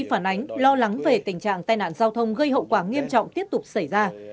phản ánh lo lắng về tình trạng tai nạn giao thông gây hậu quả nghiêm trọng tiếp tục xảy ra